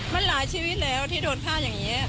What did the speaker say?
มันหลายชีวิตแล้วที่โดนฆ่าอย่างนี้